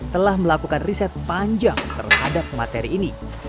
telah melakukan riset panjang terhadap materi ini